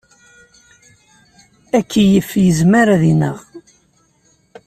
Akeyyef yezmer ad ineɣ.